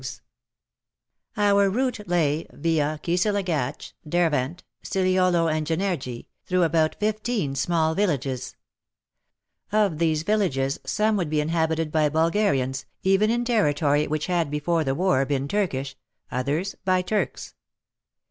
Showing some of the Escort. WAR AND WOMEN 79 Our route lay — via Kisilagatch, Dervent, Siliolo and Jenergi — through about fifteen small villages. Of these villages some would be in habited by Bulgarians, even in territory which had before the war been Turkish, others by Turks.